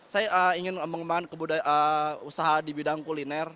saya ingin mengembangkan usaha di bidang kuliner